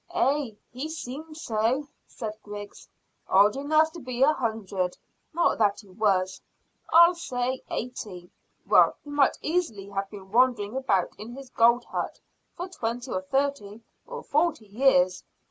"Ay, he seemed so," said Griggs. "Old enough to be a hundred; not that he was. I'll say eighty. Well, he might easily have been wandering about in his gold hunt for twenty or thirty or forty years."